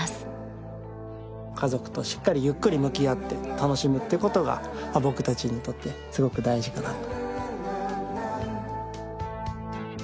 家族としっかりゆっくり向き合って楽しむって事が僕たちにとってすごく大事かなと。